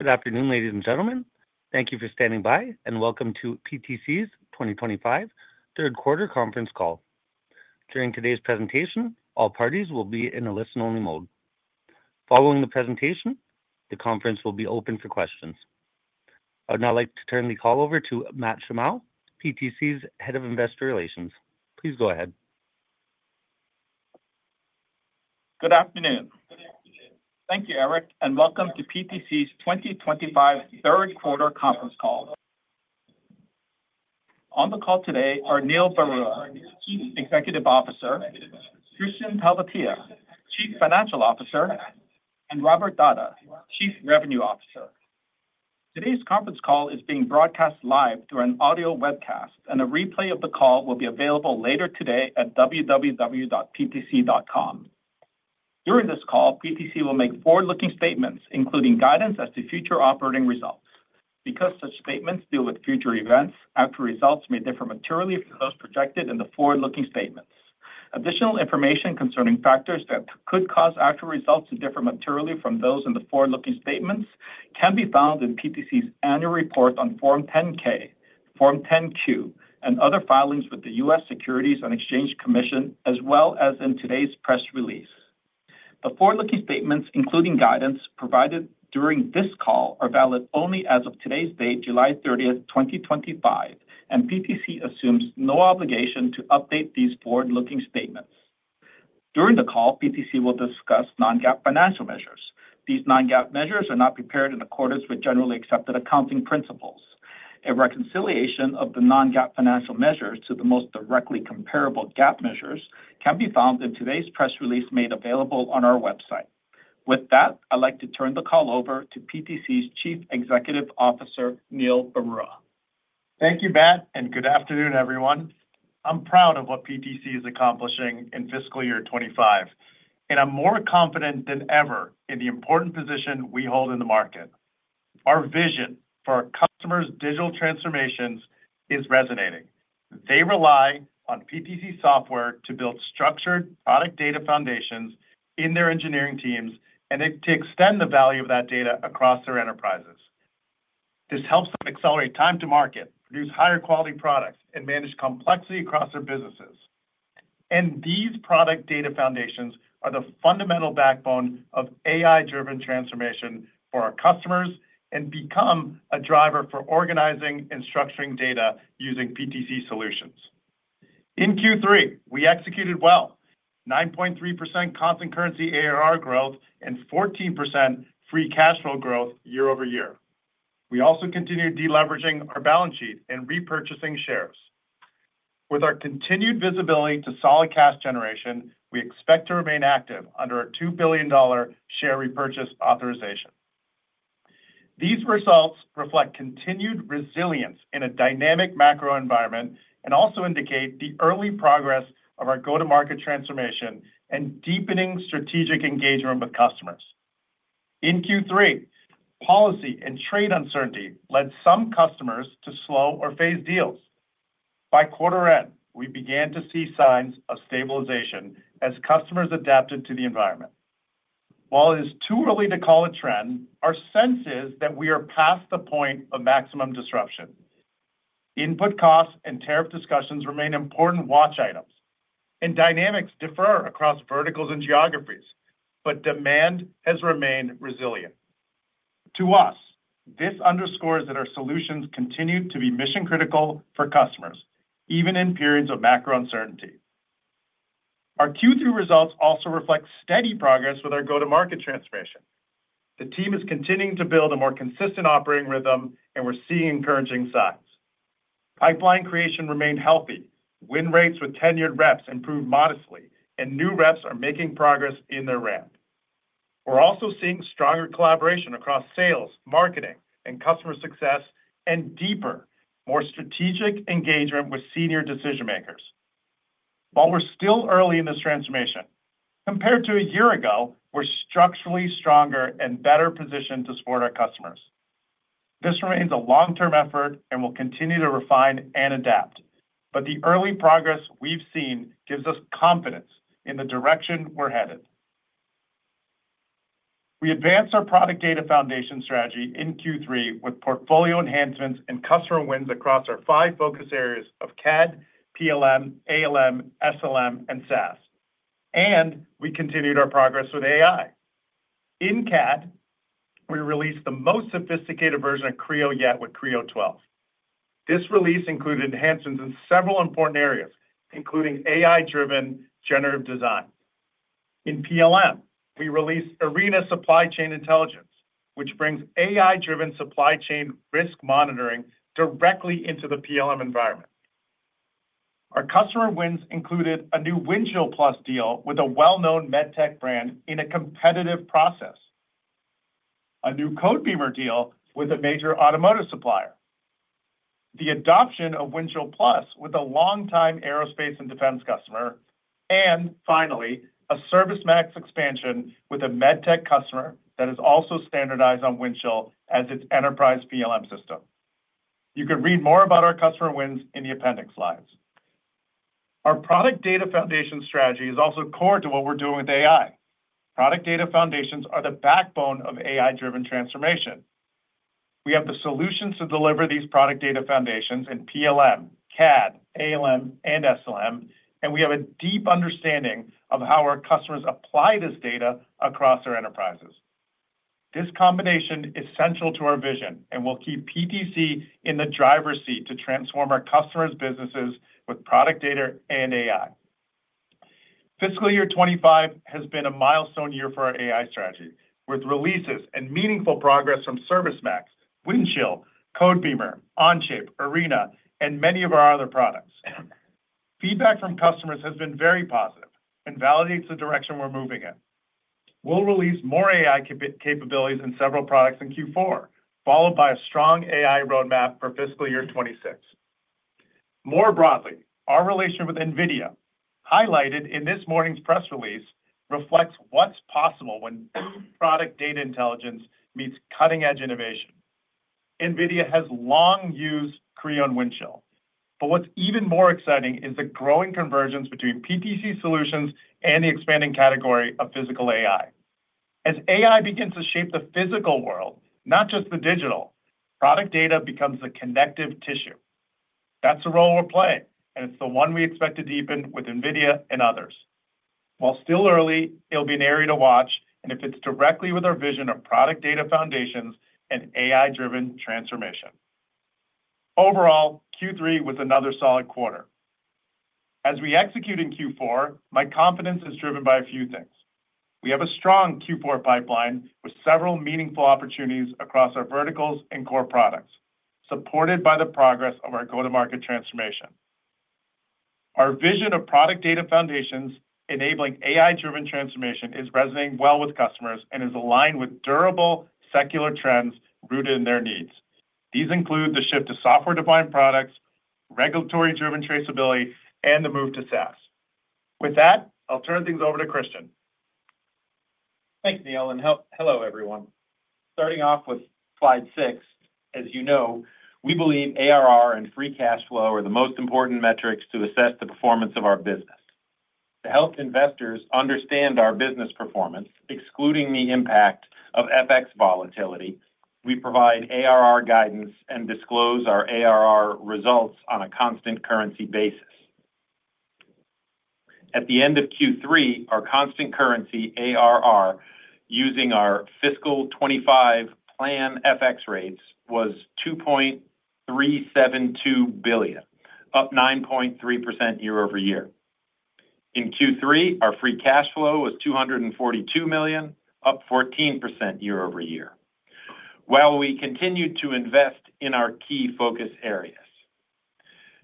Good afternoon, ladies and gentlemen. Thank you for standing by, and welcome to PTC's 2025 third quarter conference call. During today's presentation, all parties will be in a listen-only mode. Following the presentation, the conference will be open for questions. I would now like to turn the call over to Matt Shimao, PTC's Head of Investor Relations. Please go ahead. Good afternoon. Thank you, Eric, and welcome to PTC's 2025 third quarter conference call. On the call today are Neil Barua, Chief Executive Officer; Kristian Talvitie, Chief Financial Officer; and Robert Dahdah, Chief Revenue Officer. Today's conference call is being broadcast live through an audio webcast, and a replay of the call will be available later today at www.ptc.com. During this call, PTC will make forward-looking statements, including guidance as to future operating results. Because such statements deal with future events, actual results may differ materially from those projected in the forward-looking statements. Additional information concerning factors that could cause actual results to differ materially from those in the forward-looking statements can be found in PTC's annual report on Form 10-K, Form 10-Q, and other filings with the U.S. Securities and Exchange Commission, as well as in today's press release. The forward-looking statements, including guidance provided during this call, are valid only as of today's date, July 30th, 2025, and PTC assumes no obligation to update these forward-looking statements. During the call, PTC will discuss non-GAAP financial measures. These non-GAAP measures are not prepared in accordance with generally accepted accounting principles. A reconciliation of the non-GAAP financial measures to the most directly comparable GAAP measures can be found in today's press release made available on our website. With that, I'd like to turn the call over to PTC's Chief Executive Officer, Neil Barua. Thank you, Matt, and good afternoon, everyone. I'm proud of what PTC is accomplishing in fiscal year 2025, and I'm more confident than ever in the important position we hold in the market. Our vision for our customers' digital transformations is resonating. They rely on PTC software to build structured Product Data Foundations in their engineering teams and to extend the value of that data across their enterprises. This helps them accelerate time to market, produce higher-quality products, and manage complexity across their businesses. These Product Data Foundations are the fundamental backbone of AI-driven digital transformation for our customers and become a driver for organizing and structuring data using PTC solutions. In Q3, we executed well: 9.3% constant currency ARR growth and 14% free cash flow growth year-over-year. We also continued deleveraging our balance sheet and repurchasing shares. With our continued visibility to solid cash generation, we expect to remain active under our $2 billion share repurchase authorization. These results reflect continued resilience in a dynamic macro environment and also indicate the early progress of our go-to-market transformation and deepening strategic engagement with customers. In Q3, policy and trade uncertainty led some customers to slow or phase deals. By quarter end, we began to see signs of stabilization as customers adapted to the environment. While it is too early to call a trend, our sense is that we are past the point of maximum disruption. Input costs and tariff discussions remain important watch items, and dynamics differ across verticals and geographies, but demand has remained resilient. To us, this underscores that our solutions continue to be mission-critical for customers, even in periods of macro uncertainty. Our Q3 results also reflect steady progress with our go-to-market transformation. The team is continuing to build a more consistent operating rhythm, and we're seeing encouraging signs. Pipeline creation remained healthy, win rates with tenured reps improved modestly, and new reps are making progress in their ramp. We're also seeing stronger collaboration across sales, marketing, and customer success, and deeper, more strategic engagement with senior decision-makers. While we're still early in this transformation, compared to a year ago, we're structurally stronger and better positioned to support our customers. This remains a long-term effort and will continue to refine and adapt, but the early progress we've seen gives us confidence in the direction we're headed. We advanced our Product Data Foundation strategy in Q3 with portfolio enhancements and customer wins across our five focus areas of CAD, PLM, ALM, SLM, and SaaS, and we continued our progress with AI. In CAD, we released the most sophisticated version of Creo yet with Creo 12. This release included enhancements in several important areas, including AI-driven generative design. In PLM, we released Arena Supply Chain Intelligence, which brings AI-driven supply chain risk monitoring directly into the PLM environment. Our customer wins included a new Windchill+ deal with a well-known medtech brand in a competitive process, a new Codebeamer deal with a major automotive supplier, the adoption of Windchill+ with a long-time aerospace and defense customer, and finally, a ServiceMax expansion with a medtech customer that is also standardized on Windchill as its enterprise PLM system. You can read more about our customer wins in the appendix slides. Our Product Data Foundation strategy is also core to what we're doing with AI. Product Data Foundations are the backbone of AI-driven transformation. We have the solutions to deliver these Product Data Foundations in PLM, CAD, ALM, and SLM, and we have a deep understanding of how our customers apply this data across our enterprises. This combination is central to our vision and will keep PTC in the driver's seat to transform our customers' businesses with product data and AI. Fiscal year 2025 has been a milestone year for our AI strategy, with releases and meaningful progress from ServiceMax, Windchill, Codebeamer, Onshape, Arena, and many of our other products. Feedback from customers has been very positive and validates the direction we're moving in. We'll release more AI capabilities in several products in Q4, followed by a strong AI roadmap for fiscal year 2026. More broadly, our relationship with NVIDIA, highlighted in this morning's press release, reflects what's possible when product data intelligence meets cutting-edge innovation. NVIDIA has long used Creo and Windchill, but what's even more exciting is the growing convergence between PTC solutions and the expanding category of physical AI. As AI begins to shape the physical world, not just the digital, product data becomes the connective tissue. That's the role we're playing, and it's the one we expect to deepen with NVIDIA and others. While still early, it'll be an area to watch, and it fits directly with our vision of Product Data Foundations and AI-driven transformation. Overall, Q3 was another solid quarter. As we execute in Q4, my confidence is driven by a few things. We have a strong Q4 pipeline with several meaningful opportunities across our verticals and core products, supported by the progress of our go-to-market transformation. Our vision of Product Data Foundations enabling AI-driven transformation is resonating well with customers and is aligned with durable secular trends rooted in their needs. These include the shift to software-defined products, regulatory-driven traceability, and the move to SaaS. With that, I'll turn things over to Kristian. Thanks, Neil, and hello, everyone. Starting off with slide six, as you know, we believe ARR and free cash flow are the most important metrics to assess the performance of our business. To help investors understand our business performance, excluding the impact of FX volatility, we provide ARR guidance and disclose our ARR results on a constant currency basis. At the end of Q3, our constant currency ARR using our fiscal 2025 plan FX rates was $2.372 billion, up 9.3% year-over-year. In Q3, our free cash flow was $242 million, up 14% year-over-year, while we continued to invest in our key focus areas.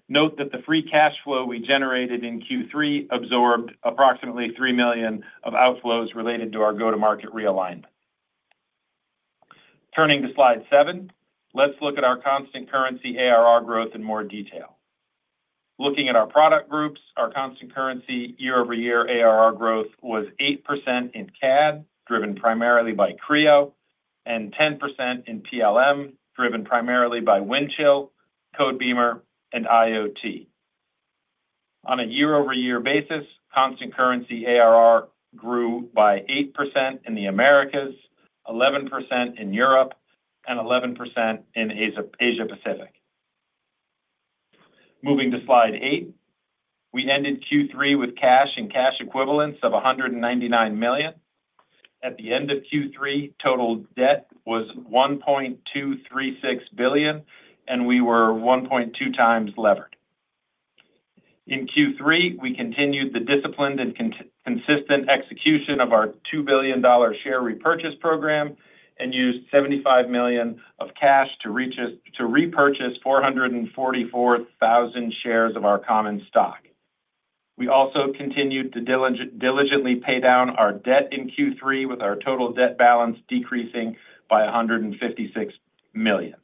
Note that the free cash flow we generated in Q3 absorbed approximately $3 million of outflows related to our go-to-market realignment. Turning to slide seven, let's look at our constant currency ARR growth in more detail. Looking at our product groups, our constant currency year-over-year ARR growth was 8% in CAD, driven primarily by Creo, and 10% in PLM, driven primarily by Windchill, Codebeamer, and IoT. On a year-over-year basis, constant currency ARR grew by 8% in the Americas, 11% in Europe, and 11% in Asia-Pacific. Moving to slide eight, we ended Q3 with cash and cash equivalents of $199 million. At the end of Q3, total debt was $1.236 billion, and we were 1.2x levered. In Q3, we continued the disciplined and consistent execution of our $2 billion share repurchase program and used $75 million of cash to repurchase 444,000 shares of our common stock. We also continued to diligently pay down our debt in Q3, with our total debt balance decreasing by $156 million.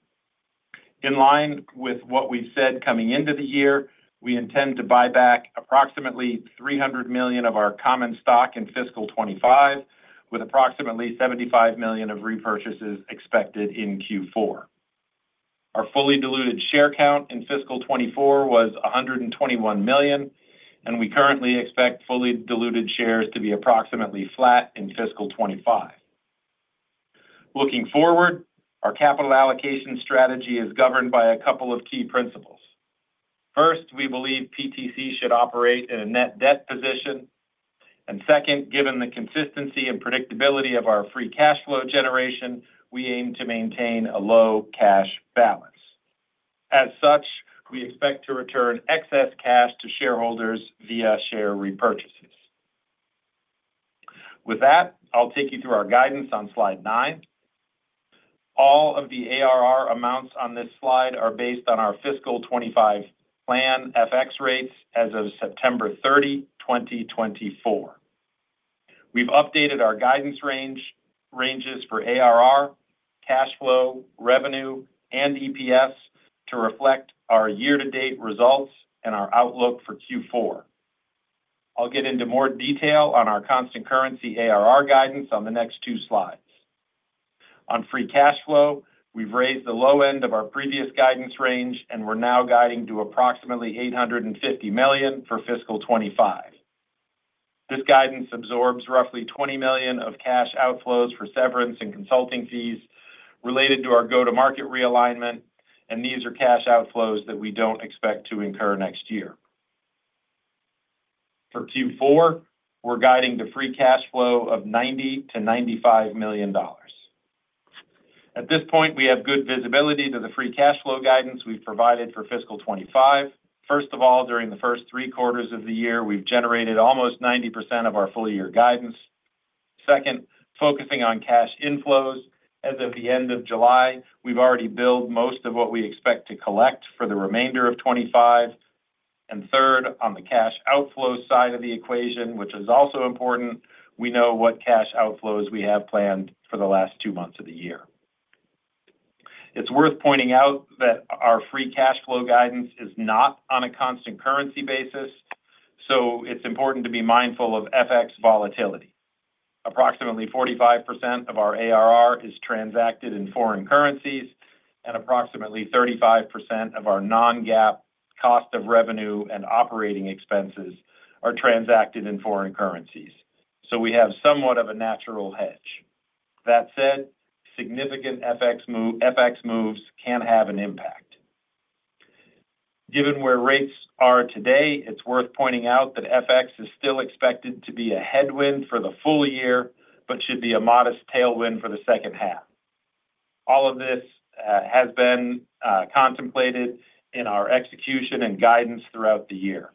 In line with what we've said coming into the year, we intend to buy back approximately $300 million of our common stock in fiscal 2025, with approximately $75 million of repurchases expected in Q4. Our fully diluted share count in fiscal 2024 was 121 million, and we currently expect fully diluted shares to be approximately flat in fiscal 2025. Looking forward, our capital allocation strategy is governed by a couple of key principles. First, we believe PTC should operate in a net debt position. Second, given the consistency and predictability of our free cash flow generation, we aim to maintain a low cash balance. As such, we expect to return excess cash to shareholders via share repurchases. With that, I'll take you through our guidance on slide nine. All of the ARR amounts on this slide are based on our fiscal 2025 plan FX rates as of September 30, 2024. We've updated our guidance ranges for ARR, cash flow, revenue, and EPS to reflect our year-to-date results and our outlook for Q4. I'll get into more detail on our constant currency ARR guidance on the next two slides. On free cash flow, we've raised the low end of our previous guidance range, and we're now guiding to approximately $850 million for fiscal 2025. This guidance absorbs roughly $20 million of cash outflows for severance and consulting fees related to our go-to-market realignment, and these are cash outflows that we don't expect to incur next year. For Q4, we're guiding to free cash flow of $90 million-$95 million. At this point, we have good visibility to the free cash flow guidance we've provided for fiscal 2025. First of all, during the first three quarters of the year, we've generated almost 90% of our full-year guidance. Second, focusing on cash inflows, as of the end of July, we've already billed most of what we expect to collect for the remainder of 2025. Third, on the cash outflow side of the equation, which is also important, we know what cash outflows we have planned for the last two months of the year. It's worth pointing out that our free cash flow guidance is not on a constant currency basis, so it's important to be mindful of FX volatility. Approximately 45% of our ARR is transacted in foreign currencies, and approximately 35% of our non-GAAP cost of revenue and operating expenses are transacted in foreign currencies. We have somewhat of a natural hedge. That said, significant FX moves can have an impact. Given where rates are today, it's worth pointing out that FX is still expected to be a headwind for the full year, but should be a modest tailwind for the second half. All of this has been contemplated in our execution and guidance throughout the year.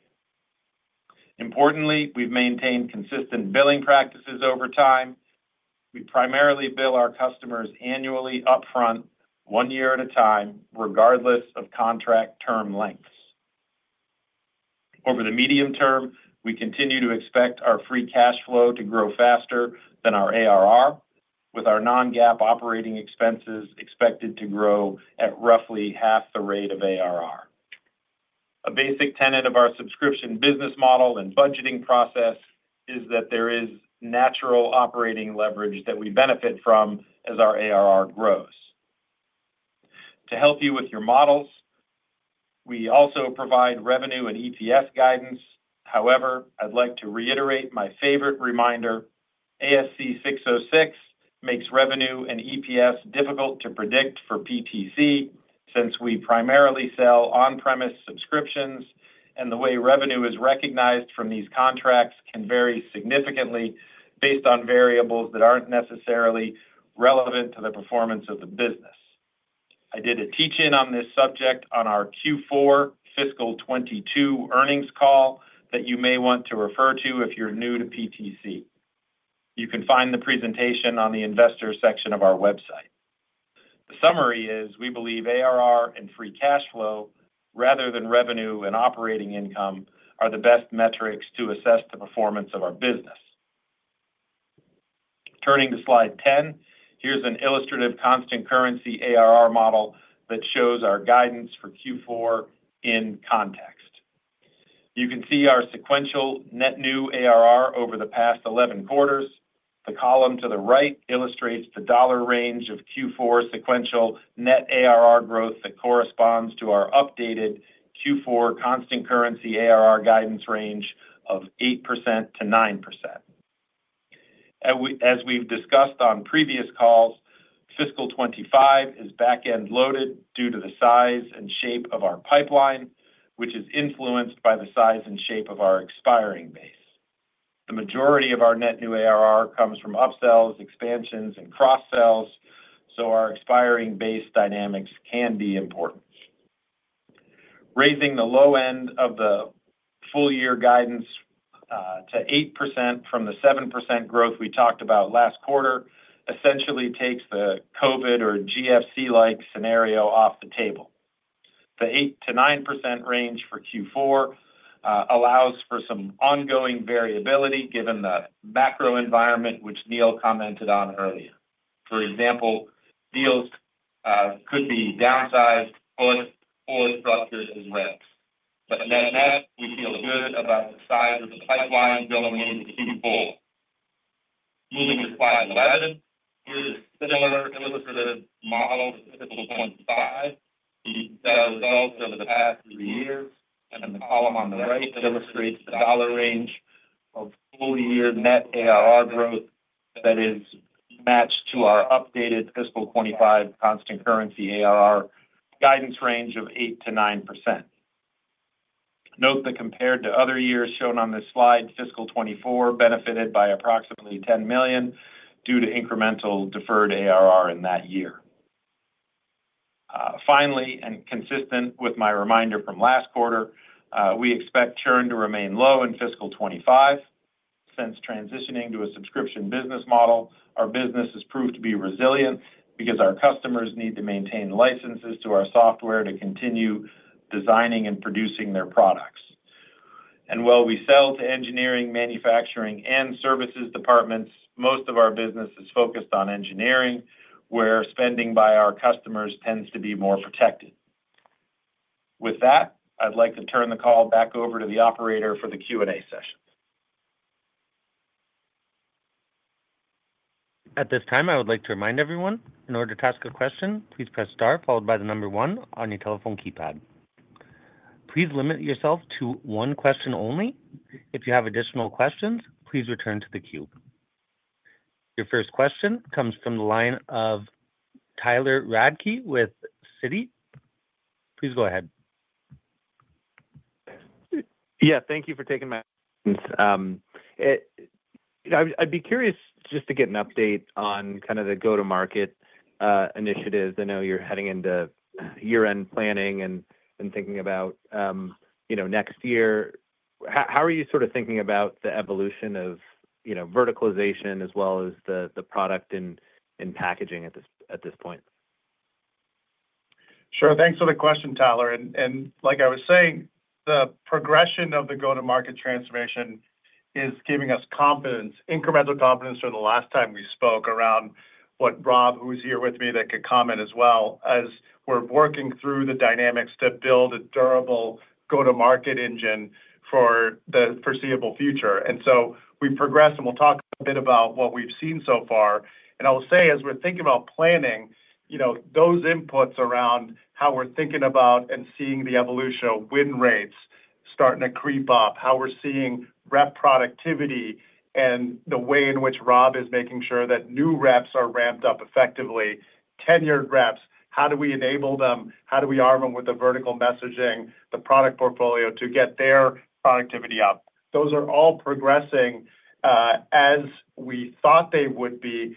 Importantly, we've maintained consistent billing practices over time. We primarily bill our customers annually upfront, one year at a time, regardless of contract term lengths. Over the medium term, we continue to expect our free cash flow to grow faster than our ARR, with our non-GAAP operating expenses expected to grow at roughly half the rate of ARR. A basic tenet of our subscription-based business model and budgeting process is that there is natural operating leverage that we benefit from as our ARR grows. To help you with your models, we also provide revenue and EPS guidance. However, I'd like to reiterate my favorite reminder. ASC 606 makes revenue and EPS difficult to predict for PTC since we primarily sell on-premise subscriptions, and the way revenue is recognized from these contracts can vary significantly based on variables that aren't necessarily relevant to the performance of the business. I did a teach-in on this subject on our Q4 fiscal 2022 earnings call that you may want to refer to if you're new to PTC. You can find the presentation on the investor section of our website. The summary is we believe ARR and free cash flow, rather than revenue and operating income, are the best metrics to assess the performance of our business. Turning to slide 10, here's an illustrative constant currency ARR model that shows our guidance for Q4 in context. You can see our sequential net new ARR over the past 11 quarters. The column to the right illustrates the dollar range of Q4 sequential net ARR growth that corresponds to our updated Q4 constant currency ARR guidance range of 8%-9%. As we've discussed on previous calls, fiscal 2025 is back-end loaded due to the size and shape of our pipeline, which is influenced by the size and shape of our expiring base. The majority of our net new ARR comes from upsells, expansions, and cross-sells, so our expiring base dynamics can be important. Raising the low end of the full-year guidance to 8% from the 7% growth we talked about last quarter essentially takes the COVID or GFC-like scenario off the table. The 8%-9% range for Q4 allows for some ongoing variability given the macro environment, which Neil commented on earlier. For example, deals could be downsized or structured as reps. Net net, we feel good about the size of the pipeline going into Q4. Moving to slide 11, here's a similar illustrative model for fiscal 2025. These are the results over the past three years, and then the column on the right illustrates the dollar range of full-year net ARR growth that is matched to our updated fiscal 2025 constant currency ARR guidance range of 8%-9%. Note that compared to other years shown on this slide, fiscal 2024 benefited by approximately $10 million due to incremental deferred ARR in that year. Finally, and consistent with my reminder from last quarter, we expect churn to remain low in fiscal 2025. Since transitioning to a subscription-based business model, our business has proved to be resilient because our customers need to maintain licenses to our software to continue designing and producing their products. While we sell to engineering, manufacturing, and services departments, most of our business is focused on engineering, where spending by our customers tends to be more protected. With that, I'd like to turn the call back over to the operator for the Q&A session. At this time, I would like to remind everyone, in order to ask a question, please press star followed by the number one on your telephone keypad. Please limit yourself to one question only. If you have additional questions, please return to the queue. Your first question comes from the line of Tyler Radke with Citi. Please go ahead. Thank you for taking my question. I'd be curious just to get an update on the go-to-market initiatives. I know you're heading into year-end planning and thinking about next year. How are you sort of thinking about the evolution of verticalization as well as the product and packaging at this point? Sure. Thanks for the question, Tyler. Like I was saying, the progression of the go-to-market transformation is giving us incremental confidence from the last time we spoke around what Rob, who's here with me, could comment as well, as we're working through the dynamics to build a durable go-to-market engine for the foreseeable future. We've progressed, and we'll talk a bit about what we've seen so far. I'll say, as we're thinking about planning, those inputs around how we're thinking about and seeing the evolution of win rates starting to creep up, how we're seeing rep productivity, and the way in which Rob is making sure that new reps are ramped up effectively, tenured reps, how do we enable them, how do we arm them with the vertical messaging, the product portfolio to get their productivity up. Those are all progressing as we thought they would be,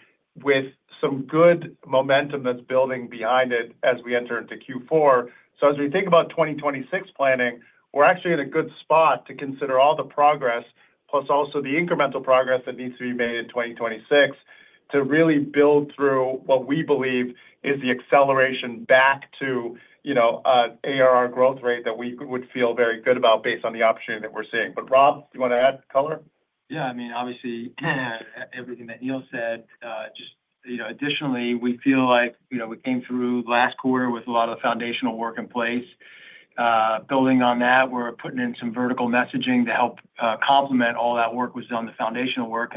with some good momentum that's building behind it as we enter into Q4. As we think about 2026 planning, we're actually in a good spot to consider all the progress, plus also the incremental progress that needs to be made in 2026 to really build through what we believe is the acceleration back to an ARR growth rate that we would feel very good about based on the opportunity that we're seeing. Rob, you want to add color? Yeah. I mean, obviously. Everything that Neil said, just additionally, we feel like we came through last quarter with a lot of the foundational work in place. Building on that, we're putting in some verticalized messaging to help complement all that work that was done, the foundational work.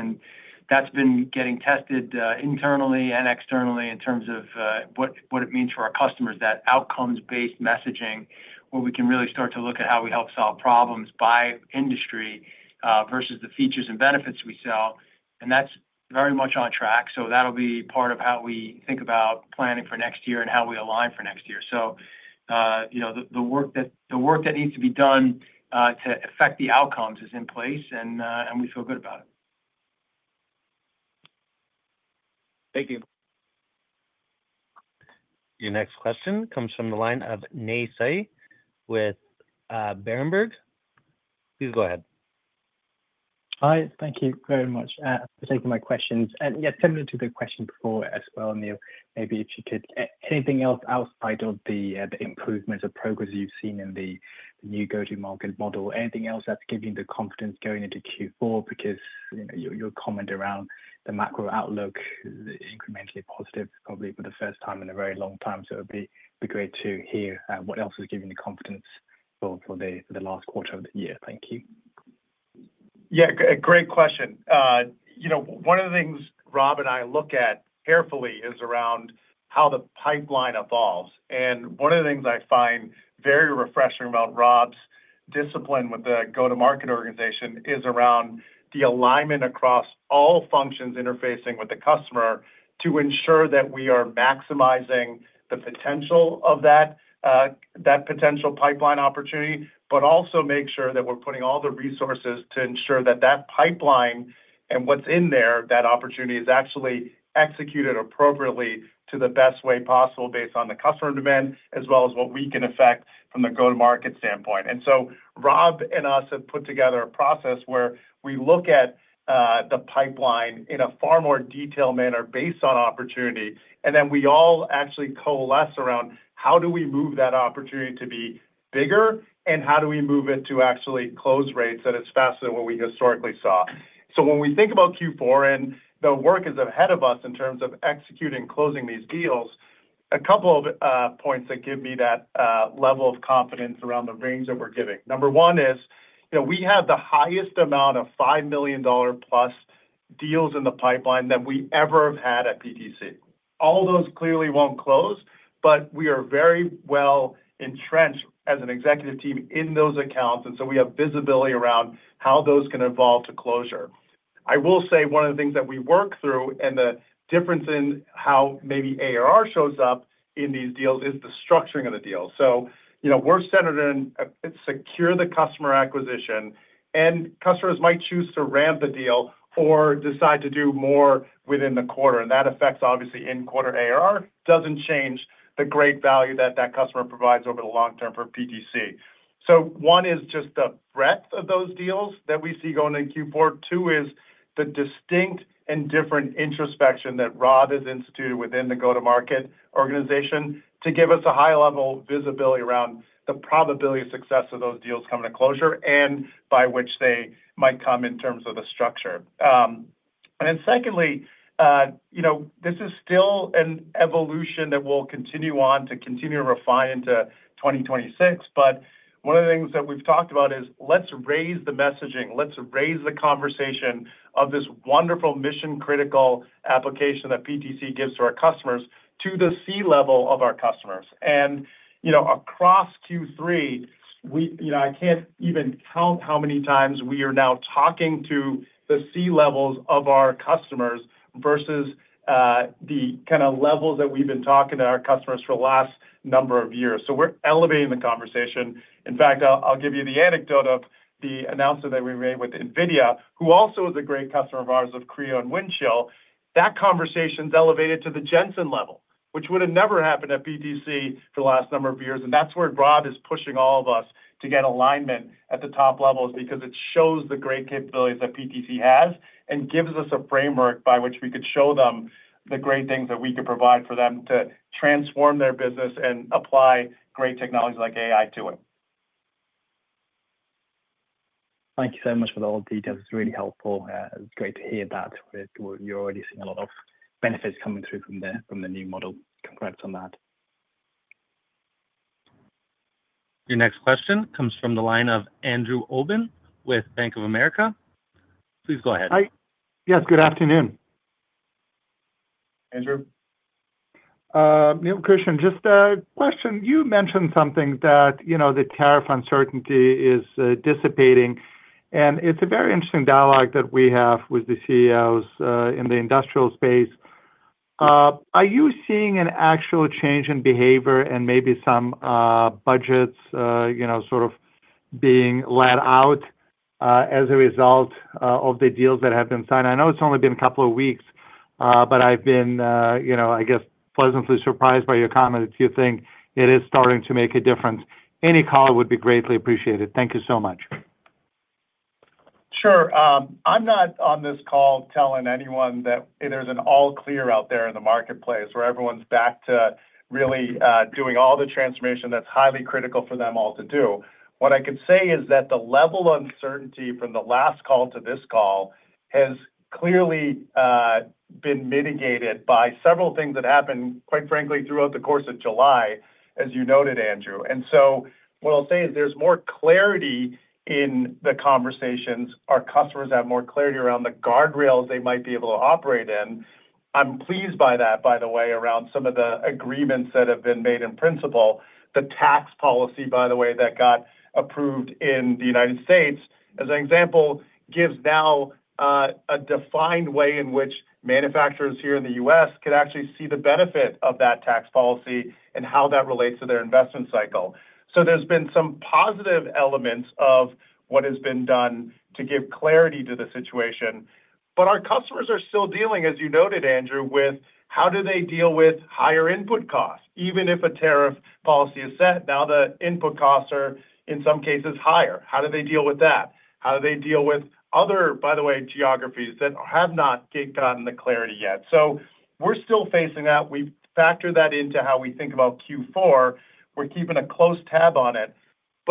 That's been getting tested internally and externally in terms of what it means for our customers, that outcomes-based messaging, where we can really start to look at how we help solve problems by industry vs the features and benefits we sell. That's very much on track. That will be part of how we think about planning for next year and how we align for next year. The work that needs to be done to affect the outcomes is in place, and we feel good about it. Thank you. Your next question comes from the line of Nay Soe with Berenberg. Please go ahead. Hi. Thank you very much for taking my questions. Yeah, similar to the question before as well, Neil, maybe if you could, anything else outside of the improvements or progress you've seen in the new go-to-market model, anything else that's giving you the confidence going into Q4? Your comment around the macro outlook, incrementally positive, probably for the first time in a very long time. It would be great to hear what else is giving you confidence for the last quarter of the year. Thank you. Yeah, great question. One of the things Rob and I look at carefully is around how the pipeline evolves. One of the things I find very refreshing about Rob's discipline with the go-to-market organization is around the alignment across all functions interfacing with the customer to ensure that we are maximizing the potential of that potential pipeline opportunity, but also make sure that we're putting all the resources to ensure that that pipeline and what's in there, that opportunity is actually executed appropriately to the best way possible based on the customer demand, as well as what we can affect from the go-to-market standpoint. Rob and I have put together a process where we look at the pipeline in a far more detailed manner based on opportunity. We all actually coalesce around how do we move that opportunity to be bigger, and how do we move it to actually close rates that are faster than what we historically saw. When we think about Q4 and the work ahead of us in terms of executing closing these deals, a couple of points that give me that level of confidence around the rings that we're giving. Number one is we have the highest amount of $5 million+ deals in the pipeline that we ever have had at PTC. All those clearly won't close, but we are very well entrenched as an executive team in those accounts. We have visibility around how those can evolve to closure. I will say one of the things that we work through and the difference in how maybe ARR shows up in these deals is the structuring of the deals. We're centered in secure the customer acquisition, and customers might choose to ramp the deal or decide to do more within the quarter. That affects, obviously, in quarter ARR, doesn't change the great value that that customer provides over the long term for PTC. One is just the breadth of those deals that we see going into Q4. Two is the distinct and different introspection that Rob has instituted within the go-to-market organization to give us a high-level visibility around the probability of success of those deals coming to closure and by which they might come in terms of the structure. This is still an evolution that will continue on to continue to refine into 2026. One of the things that we've talked about is let's raise the messaging. Let's raise the conversation of this wonderful mission-critical application that PTC gives to our customers to the C-level of our customers. Across Q3, I can't even count how many times we are now talking to the C-levels of our customers vs the kind of levels that we've been talking to our customers for the last number of years. We're elevating the conversation. In fact, I'll give you the anecdote of the announcement that we made with NVIDIA, who also is a great customer of ours of Creo and Windchill. That conversation's elevated to the Jensen level, which would have never happened at PTC for the last number of years. That's where Rob is pushing all of us to get alignment at the top levels because it shows the great capabilities that PTC has and gives us a framework by which we could show them the great things that we could provide for them to transform their business and apply great technologies like AI to it. Thank you so much for the all details. It's really helpful. It's great to hear that you're already seeing a lot of benefits coming through from the new model. Congrats on that. Your next question comes from the line of Andrew Obin with Bank of America. Please go ahead. Yes, good afternoon. Andrew? Neil, just a question. You mentioned something that the tariff uncertainty is dissipating. It's a very interesting dialogue that we have with the CEOs in the industrial space. Are you seeing an actual change in behavior and maybe some budgets sort of being let out as a result of the deals that have been signed? I know it's only been a couple of weeks, but I've been, I guess, pleasantly surprised by your comments. You think it is starting to make a difference. Any call would be greatly appreciated. Thank you so much. Sure. I'm not on this call telling anyone that there's an all-clear out there in the marketplace where everyone's back to really doing all the transformation that's highly critical for them all to do. What I can say is that the level of uncertainty from the last call to this call has clearly been mitigated by several things that happened, quite frankly, throughout the course of July, as you noted, Andrew. What I'll say is there's more clarity in the conversations. Our customers have more clarity around the guardrails they might be able to operate in. I'm pleased by that, by the way, around some of the agreements that have been made in principle. The tax policy, by the way, that got approved in the U.S., as an example, gives now a defined way in which manufacturers here in the U.S. could actually see the benefit of that tax policy and how that relates to their investment cycle. There's been some positive elements of what has been done to give clarity to the situation. Our customers are still dealing, as you noted, Andrew, with how do they deal with higher input costs? Even if a tariff policy is set, now the input costs are, in some cases, higher. How do they deal with that? How do they deal with other, by the way, geographies that have not gotten the clarity yet? We're still facing that. We factor that into how we think about Q4. We're keeping a close tab on it.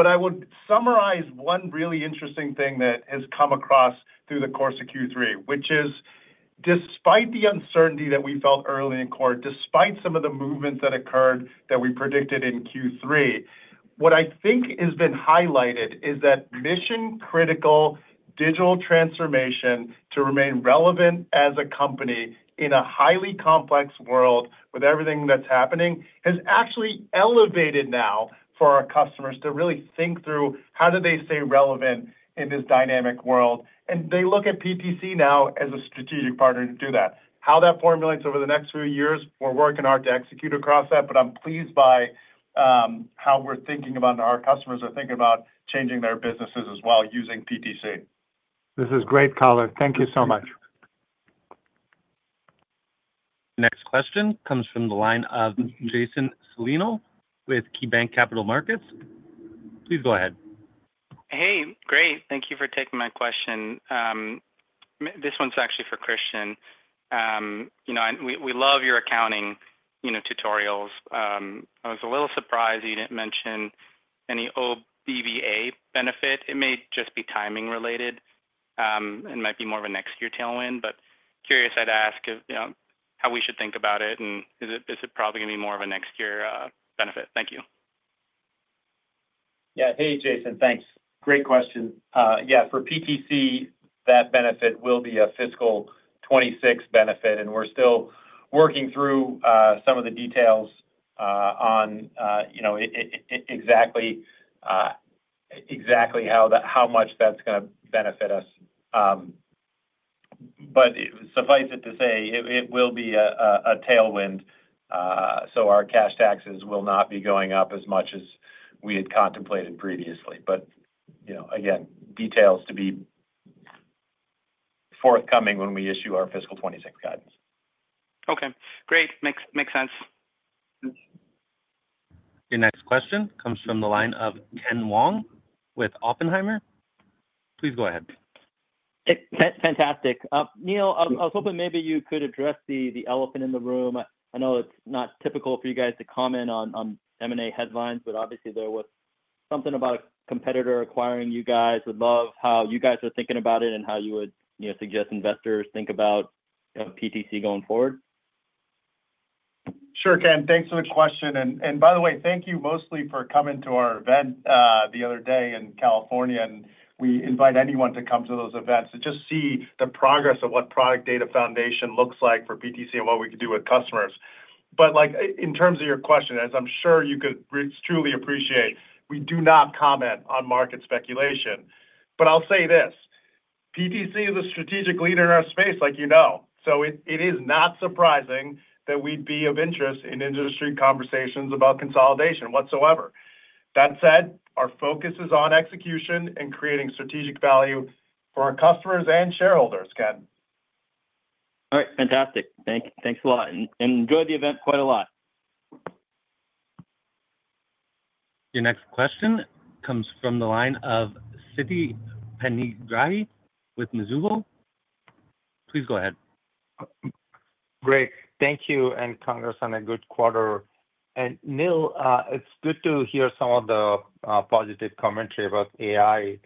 I would summarize one really interesting thing that has come across through the course of Q3, which is despite the uncertainty that we felt early in court, despite some of the movements that occurred that we predicted in Q3, what I think has been highlighted is that mission-critical digital transformation to remain relevant as a company in a highly complex world with everything that's happening has actually elevated now for our customers to really think through how do they stay relevant in this dynamic world. They look at PTC now as a strategic partner to do that. How that formulates over the next few years, we're working hard to execute across that, but I'm pleased by how we're thinking about our customers are thinking about changing their businesses as well using PTC. This is great, Tyler. Thank you so much. Next question comes from the line of Jason Celino with KeyBanc Capital Markets. Please go ahead. Hey, great. Thank you for taking my question. This one's actually for Kristian. We love your accounting tutorials. I was a little surprised you didn't mention any old BVA benefit. It may just be timing related. It might be more of a next-year tailwind, but curious I'd ask how we should think about it, and is it probably going to be more of a next-year benefit? Thank you. Yeah. Hey, Jason. Thanks. Great question. For PTC, that benefit will be a fiscal 2026 benefit. We're still working through some of the details on exactly how much that's going to benefit us. Suffice it to say, it will be a tailwind. Our cash taxes will not be going up as much as we had contemplated previously. Details to be forthcoming when we issue our fiscal 2026 guidance. Okay. Great. Makes sense. Your next question comes from the line of Ken Wong with Oppenheimer. Please go ahead. Fantastic. Neil, I was hoping maybe you could address the elephant in the room. I know it's not typical for you guys to comment on M&A headlines, but obviously there was something about a competitor acquiring you guys. Would love how you guys are thinking about it and how you would suggest investors think about PTC going forward? Sure can. Thanks for the question. By the way, thank you mostly for coming to our event the other day in California. We invite anyone to come to those events to just see the progress of what Product Data Foundation looks like for PTC and what we could do with customers. In terms of your question, as I'm sure you could truly appreciate, we do not comment on market speculation. I'll say this. PTC is a strategic leader in our space, like you know. It is not surprising that we'd be of interest in industry conversations about consolidation whatsoever. That said, our focus is on execution and creating strategic value for our customers and shareholders, Ken. All right. Fantastic. Thanks a lot. Enjoy the event quite a lot. Your next question comes from the line of Siti Panigrahi with Mizuho. Please go ahead. Great. Thank you and congrats on a good quarter. Neil, it's good to hear some of the positive commentary about AI.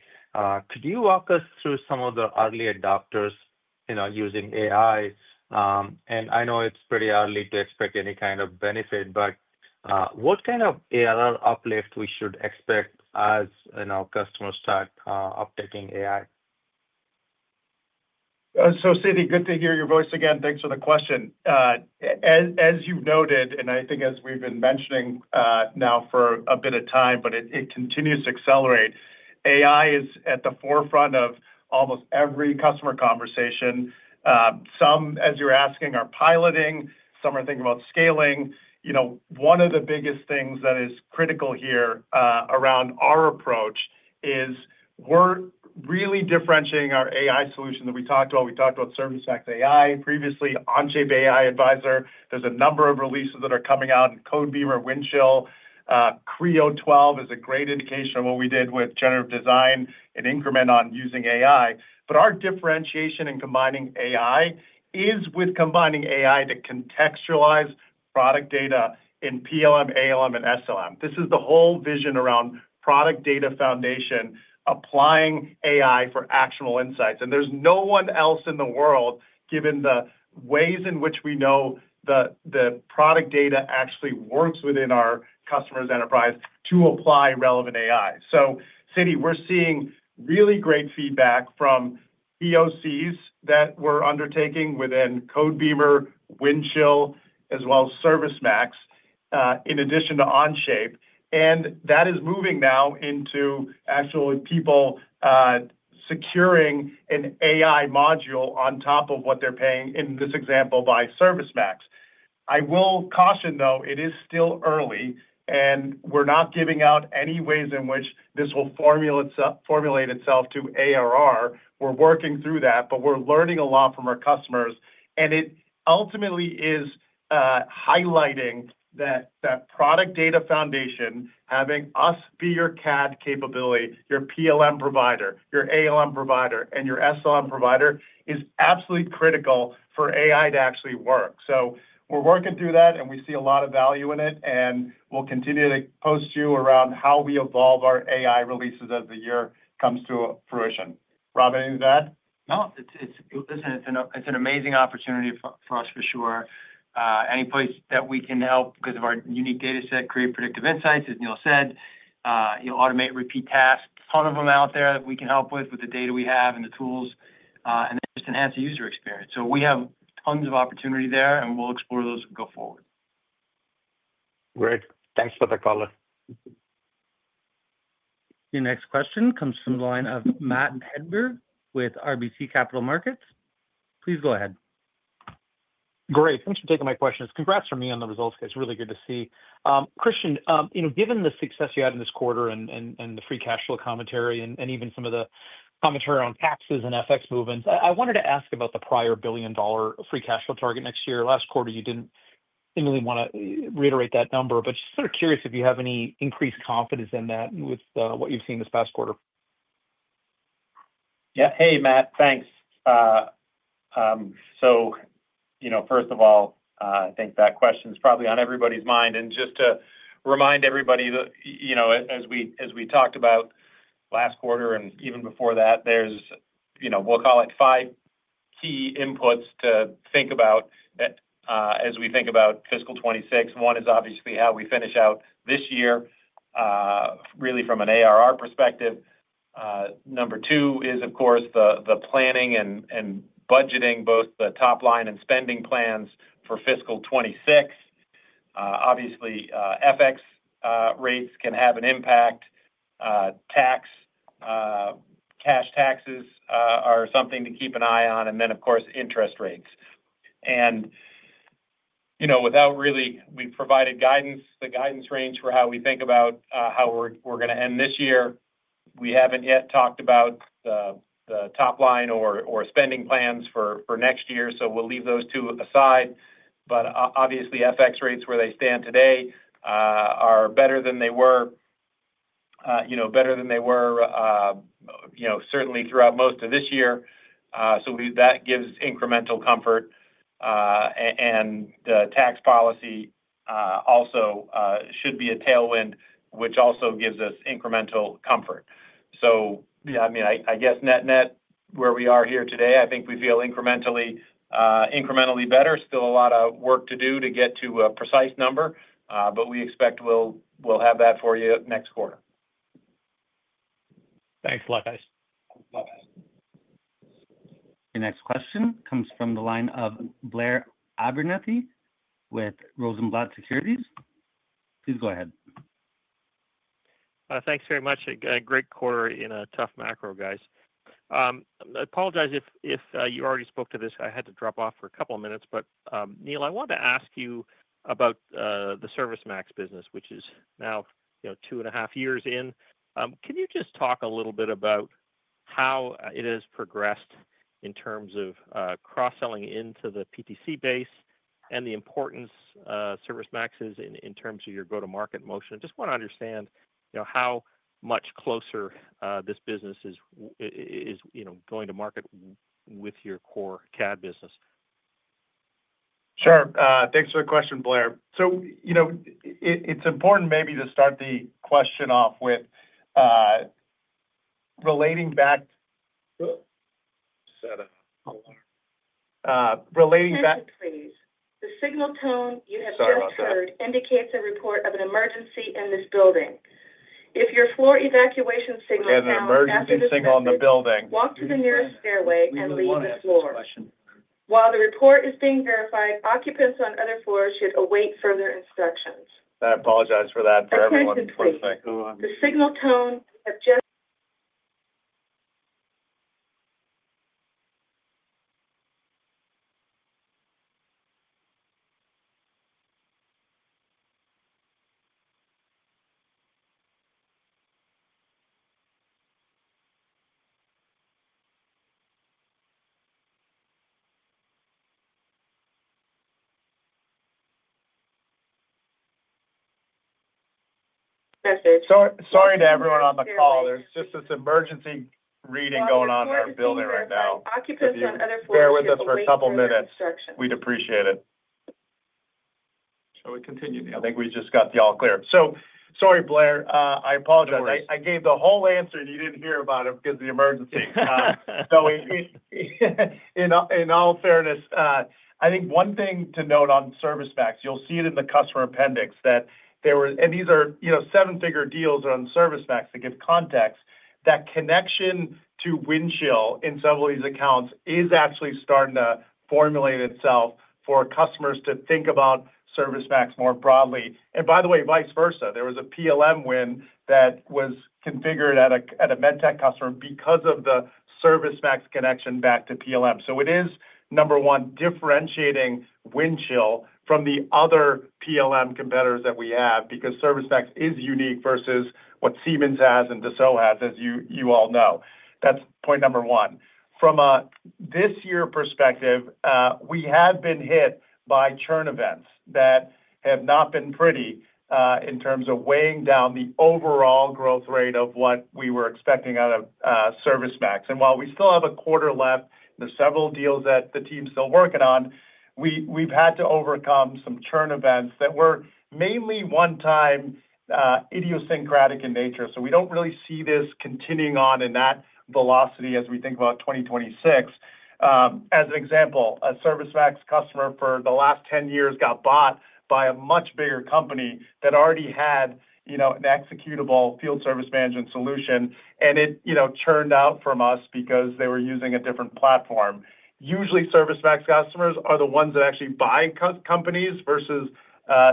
Could you walk us through some of the early adopters using AI? I know it's pretty early to expect any kind of benefit, but what kind of ARR uplift we should expect as customers start uptaking AI? Siti, good to hear your voice again. Thanks for the question. As you've noted, and I think as we've been mentioning now for a bit of time, it continues to accelerate. AI is at the forefront of almost every customer conversation. Some, as you're asking, are piloting. Some are thinking about scaling. One of the biggest things that is critical here around our approach is we're really differentiating our AI solution that we talked about. We talked about ServiceMax AI previously, Onshape AI Advisor. There's a number of releases that are coming out in Codebeamer and Windchill. Creo 12 is a great indication of what we did with Generative Design and increment on using AI. Our differentiation in combining AI is with combining AI to contextualize product data in PLM, ALM, and SLM. This is the whole vision around Product Data Foundation applying AI for actionable insights. There's no one else in the world, given the ways in which we know the product data actually works within our customers' enterprise, to apply relevant AI. Siti, we're seeing really great feedback from POCs that we're undertaking within Codebeamer, Windchill, as well as ServiceMax, in addition to Onshape. That is moving now into actually people securing an AI module on top of what they're paying in this example by ServiceMax. I will caution, though, it is still early. We're not giving out any ways in which this will formulate itself to ARR. We're working through that, but we're learning a lot from our customers. It ultimately is highlighting that Product Data Foundation, having us be your CAD capability, your PLM provider, your ALM provider, and your SLM provider is absolutely critical for AI to actually work. We're working through that, and we see a lot of value in it. We'll continue to post you around how we evolve our AI releases as the year comes to fruition. Rob, anything to that? No. Listen, it's an amazing opportunity for us for sure. Any place that we can help because of our unique data set, create predictive insights, as Neil said, automate repeat tasks, tons of them out there that we can help with, with the data we have and the tools, and then just enhance the user experience. We have tons of opportunity there, and we'll explore those and go forward. Great. Thanks for the call. Your next question comes from the line of Matt Hedberg with RBC Capital Markets. Please go ahead. Great. Thanks for taking my questions. Congrats from me on the results, guys. Really good to see. Kristian, given the success you had in this quarter and the free cash flow commentary and even some of the commentary on taxes and FX movements, I wanted to ask about the prior $1 billion free cash flow target next year. Last quarter, you didn't really want to reiterate that number, but just sort of curious if you have any increased confidence in that with what you've seen this past quarter. Yeah. Hey, Matt. Thanks. First of all, I think that question is probably on everybody's mind. Just to remind everybody, as we talked about last quarter and even before that, there are, we'll call it, five key inputs to think about as we think about fiscal 2026. One is obviously how we finish out this year, really from an ARR perspective. Number two is, of course, the planning and budgeting, both the top line and spending plans for fiscal 2026. Obviously, FX rates can have an impact. Cash taxes are something to keep an eye on, and then, of course, interest rates. We have provided guidance, the guidance range for how we think about how we're going to end this year. We haven't yet talked about the top line or spending plans for next year, so we'll leave those two aside. Obviously, FX rates where they stand today are better than they were, certainly throughout most of this year, so that gives incremental comfort. The tax policy also should be a tailwind, which also gives us incremental comfort. I guess net-net where we are here today, I think we feel incrementally better. Still a lot of work to do to get to a precise number, but we expect we'll have that for you next quarter. Thanks a lot, guys. Bye-bye. Your next question comes from the line of Blair Abernathy with Rosenblatt Securities. Please go ahead. Thanks very much. Great quarter in a tough macro, guys. I apologize if you already spoke to this. I had to drop off for a couple of minutes. Neil, I want to ask you about the ServiceMax business, which is now 2.5 years in. Can you just talk a little bit about how it has progressed in terms of cross-selling into the PTC base and the importance ServiceMax is in terms of your go-to-market motion? I just want to understand how much closer this business is going to market with your core CAD business. Sure. Thanks for the question, Blair. It's important maybe to start the question off with relating back. Relating back. Please. The signal tone you have just heard indicates a report of an emergency in this building. If your floor evacuation signal has been activated, walk to the nearest stairway and leave the floor. While the report is being verified, occupants on other floors should await further instructions. I apologize for that, for everyone. The signal tone has just. Sorry to everyone on the call. There's just this emergency reading going on in our building right now. Bear with us for a couple of minutes. We'd appreciate it. Shall we continue, Neil? I think we just got you all clear. Sorry, Blair. I apologize. I gave the whole answer, and you did not hear about it because of the emergency. In all fairness, I think one thing to note on ServiceMax, you will see it in the customer appendix, that there were, and these are seven-figure deals on ServiceMax to give context, that connection to Windchill in some of these accounts is actually starting to formulate itself for customers to think about ServiceMax more broadly. By the way, vice versa. There was a PLM win that was configured at a MedTech customer because of the ServiceMax connection back to PLM. It is, number one, differentiating Windchill from the other PLM competitors that we have because ServiceMax is unique vs what Siemens has and Dassault has, as you all know. That is point number one. From a this-year perspective, we have been hit by churn events that have not been pretty in terms of weighing down the overall growth rate of what we were expecting out of ServiceMax. While we still have a quarter left and there are several deals that the team is still working on, we have had to overcome some churn events that were mainly one-time, idiosyncratic in nature. We do not really see this continuing on in that velocity as we think about 2026. As an example, a ServiceMax customer for the last 10 years got bought by a much bigger company that already had an executable field service management solution, and it churned out from us because they were using a different platform. Usually, ServiceMax customers are the ones that actually buy companies vs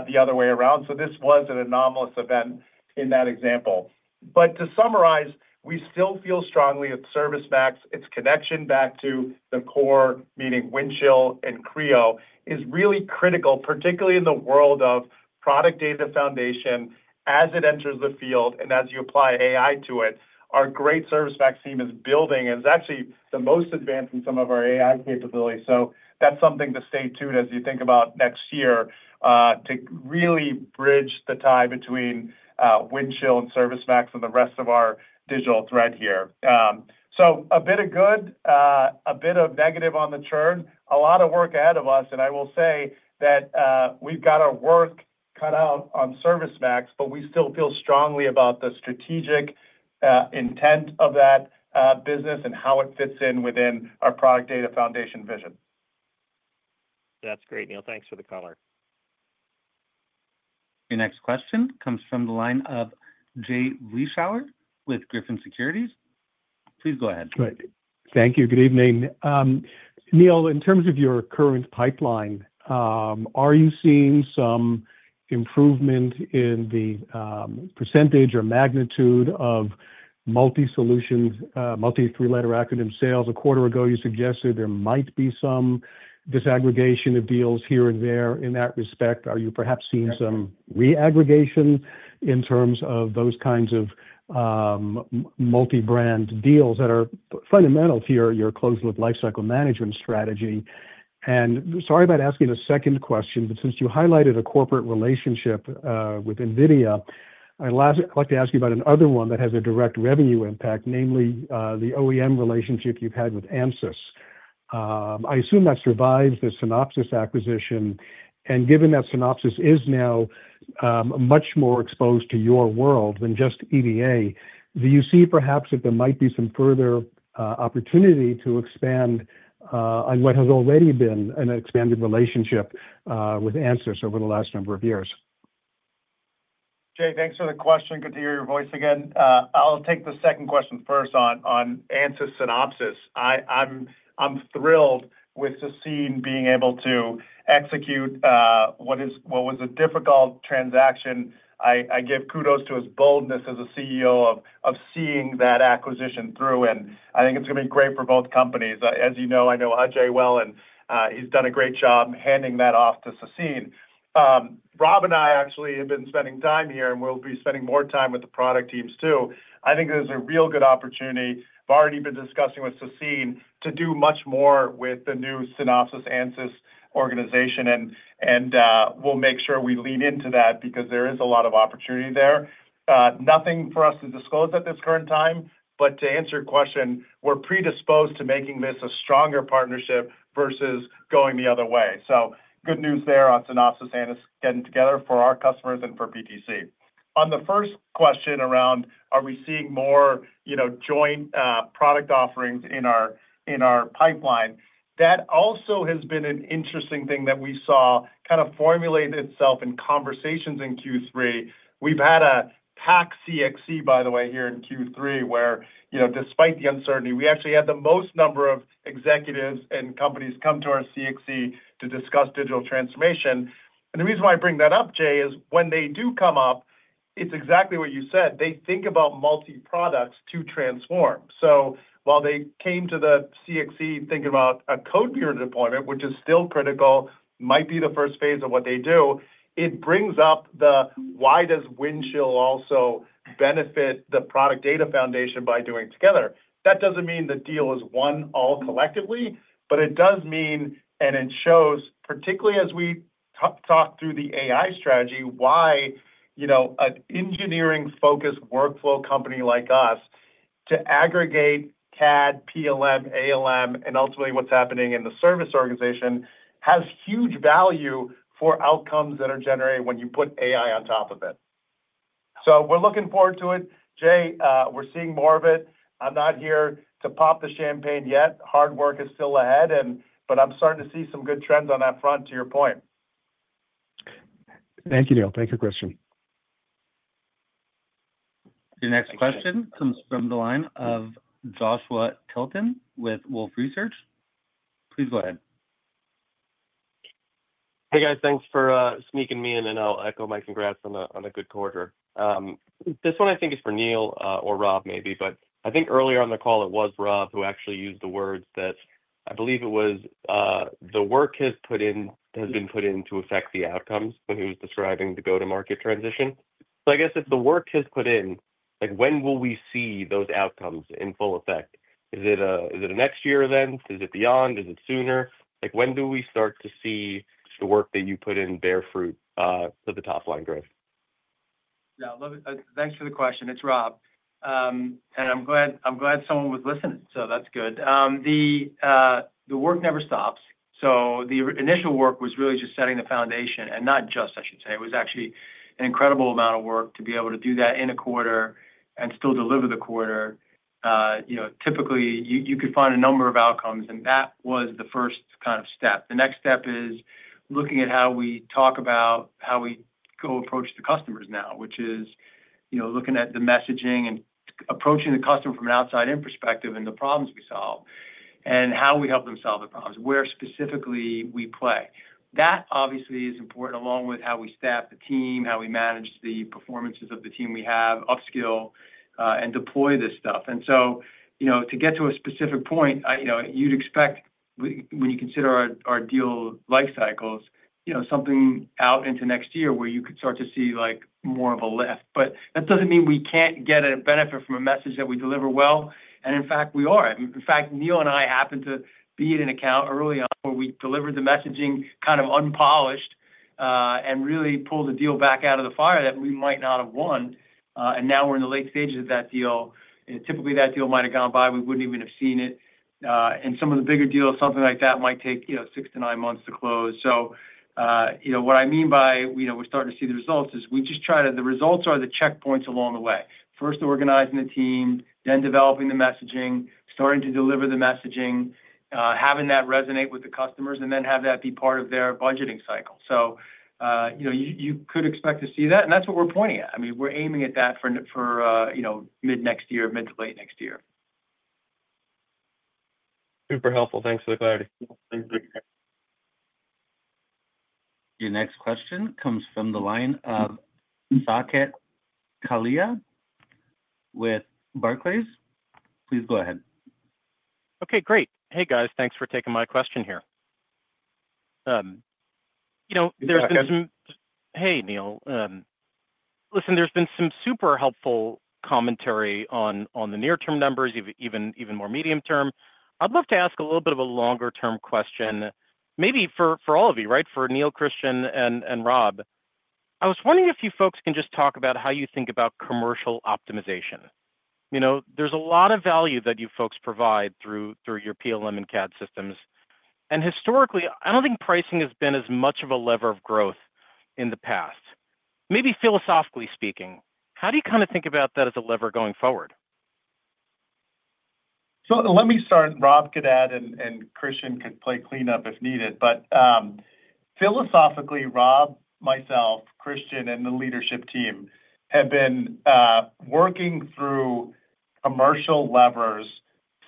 the other way around. This was an anomalous event in that example. To summarize, we still feel strongly that ServiceMax, its connection back to the core, meaning Windchill and Creo, is really critical, particularly in the world of Product Data Foundation as it enters the field and as you apply AI to it. Our great ServiceMax team is building and is actually the most advanced in some of our AI capabilities. That is something to stay tuned as you think about next year to really bridge the tie between Windchill and ServiceMax and the rest of our digital thread here. A bit of good, a bit of negative on the churn, a lot of work ahead of us. I will say that we have got our work cut out on ServiceMax, but we still feel strongly about the strategic intent of that business and how it fits in within our Product Data Foundation vision. That's great, Neil. Thanks for the color. Your next question comes from the line of Jay Vleeschhouwer with Griffin Securities. Please go ahead. Thank you. Good evening. Neil, in terms of your current pipeline, are you seeing some improvement in the percentage or magnitude of multi-solutions, multi-three-letter acronym sales? A quarter ago, you suggested there might be some disaggregation of deals here and there. In that respect, are you perhaps seeing some re-aggregation in terms of those kinds of multi-brand deals that are fundamental to your closed-loop lifecycle management strategy? Sorry about asking a second question, but since you highlighted a corporate relationship with NVIDIA, I'd like to ask you about another one that has a direct revenue impact, namely the OEM relationship you've had with ANSYS. I assume that survives the Synopsys acquisition. Given that Synopsys is now much more exposed to your world than just EDA, do you see perhaps that there might be some further opportunity to expand on what has already been an expanded relationship with ANSYS over the last number of years? Jay, thanks for the question. Good to hear your voice again. I'll take the second question first on ANSYS-Synopsys. I'm thrilled with the team being able to execute what was a difficult transaction. I give kudos to his boldness as a CEO of seeing that acquisition through. I think it's going to be great for both companies. As you know, I know Ajay well, and he's done a great job handing that off to Sassine. Rob and I actually have been spending time here, and we'll be spending more time with the product teams too. I think there's a real good opportunity. I've already been discussing with Sassine to do much more with the new Synopsys-ANSYS organization. We'll make sure we lean into that because there is a lot of opportunity there. Nothing for us to disclose at this current time, but to answer your question, we're predisposed to making this a stronger partnership vs going the other way. Good news there on Synopsys getting together for our customers and for PTC. On the first question around, are we seeing more joint product offerings in our pipeline? That also has been an interesting thing that we saw kind of formulate itself in conversations in Q3. We've had a packed CXC, by the way, here in Q3, where despite the uncertainty, we actually had the most number of executives and companies come to our CXC to discuss digital transformation. The reason why I bring that up, Jay, is when they do come up, it's exactly what you said. They think about multi-products to transform. While they came to the CXC thinking about a Codebeamer deployment, which is still critical, might be the first phase of what they do, it brings up the, why does Windchill also benefit the Product Data Foundation by doing together? That doesn't mean the deal is won all collectively, but it does mean, and it shows, particularly as we talk through the AI strategy, why an engineering-focused workflow company like us to aggregate CAD, PLM, ALM, and ultimately what's happening in the service organization has huge value for outcomes that are generated when you put AI on top of it. We're looking forward to it. Jay, we're seeing more of it. I'm not here to pop the champagne yet. Hard work is still ahead, but I'm starting to see some good trends on that front, to your point. Thank you, Neil. Thank you, Kristian. Your next question comes from the line of Joshua Tilton with Wolfe Research. Please go ahead. Hey, guys. Thanks for sneaking me in, and I'll echo my congrats on a good quarter. This one, I think, is for Neil or Rob maybe, but I think earlier on the call, it was Rob who actually used the words that I believe it was. The work has been put in to affect the outcomes when he was describing the go-to-market transition. I guess if the work has put in, when will we see those outcomes in full effect? Is it a next year event? Is it beyond? Is it sooner? When do we start to see the work that you put in bear fruit for the top line growth? Yeah. Thanks for the question. It's Rob. I'm glad someone was listening. That's good. The work never stops. The initial work was really just setting the foundation, and not just, I should say. It was actually an incredible amount of work to be able to do that in a quarter and still deliver the quarter. Typically, you could find a number of outcomes, and that was the first kind of step. The next step is looking at how we talk about how we go approach the customers now, which is looking at the messaging and approaching the customer from an outside-in perspective and the problems we solve and how we help them solve the problems, where specifically we play. That obviously is important, along with how we staff the team, how we manage the performances of the team we have, upskill, and deploy this stuff. To get to a specific point, you'd expect, when you consider our deal lifecycles, something out into next year where you could start to see more of a lift. That doesn't mean we can't get a benefit from a message that we deliver well. In fact, we are. In fact, Neil and I happened to be in an account early on where we delivered the messaging kind of unpolished and really pulled the deal back out of the fire that we might not have won. Now we're in the late stages of that deal. Typically, that deal might have gone by. We wouldn't even have seen it. Some of the bigger deals, something like that, might take 6-9 months to close. What I mean by we're starting to see the results is we just try to, the results are the checkpoints along the way. First, organizing the team, then developing the messaging, starting to deliver the messaging, having that resonate with the customers, and then have that be part of their budgeting cycle. You could expect to see that. That's what we're pointing at. I mean, we're aiming at that for mid-next year, mid to late next year. Super helpful. Thanks for the clarity. Your next question comes from the line of Saket Kalia with Barclays. Please go ahead. Okay. Great. Hey, guys. Thanks for taking my question here. There's been some, hey, Neil. Listen, there's been some super helpful commentary on the near-term numbers, even more medium-term. I'd love to ask a little bit of a longer-term question, maybe for all of you, right, for Neil, Kristian, and Rob. I was wondering if you folks can just talk about how you think about commercial optimization. There's a lot of value that you folks provide through your PLM and CAD systems. Historically, I don't think pricing has been as much of a lever of growth in the past. Maybe philosophically speaking, how do you kind of think about that as a lever going forward? Let me start. Rob could add, and Kristian could play clean up if needed. Philosophically, Rob, myself, Kristian, and the leadership team have been working through commercial levers